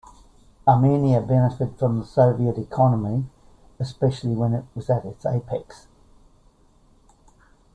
Armenia benefited from the Soviet economy, especially when it was at its apex.